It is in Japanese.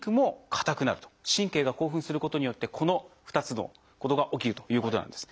神経が興奮することによってこの２つのことが起きるということなんです。